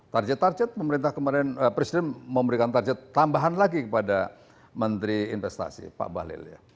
target target pemerintah kemarin presiden memberikan target tambahan lagi kepada menteri investasi pak bahlil ya